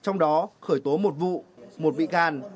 trong đó khởi tố một vụ một bị can